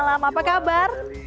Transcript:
selamat malam apa kabar